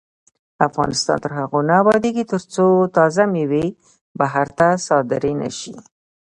افغانستان تر هغو نه ابادیږي، ترڅو تازه میوې بهر ته صادرې نشي.